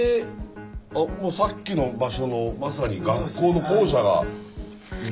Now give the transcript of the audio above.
あっもうさっきの場所のまさに学校の校舎が。